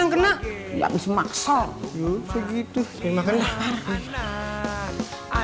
enggak bisa maksudnya enggak bisa maksudnya enggak bisa maksudnya enggak bisa maksudnya